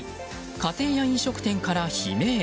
家庭や飲食店から悲鳴。